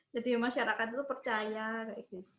jadi masyarakat itu percaya kayak gitu